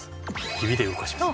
指で動かします。